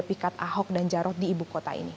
memikat ahok dan jaratu di ibu kota ini